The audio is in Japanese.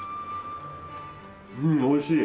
うんおいしい！